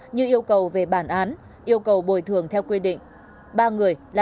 như yêu cầu về bản án yêu cầu bồi thường theo quy định